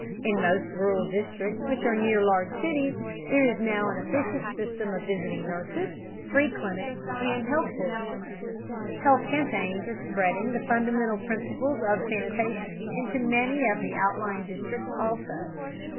In most rural districts which are near large cities, there is now an efficient system of visiting nurses, free clinics, and health bulletins. Health campaigns are spreading the fundamental principles of sanitation into many of the outlying districts also.